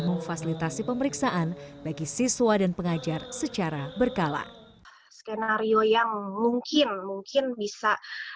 memfasilitasi pemeriksaan bagi siswa dan pengajar secara berkala skenario yang mungkin mungkin bisa